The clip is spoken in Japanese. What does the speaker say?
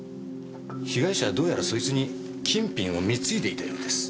被害者はどうやらそいつに金品を貢いでいたようです。